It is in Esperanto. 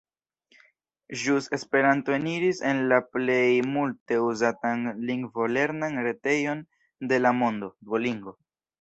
Ĵus Esperanto eniris en la plej multe uzatan lingvolernan retejon de la mondo, Duolingo.